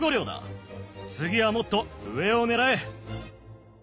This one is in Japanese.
次はもっと上を狙え！